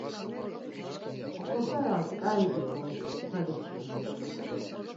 Oxosaras ǩai gitzons, dadiçkimi